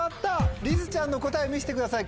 りづちゃんの答え見せてください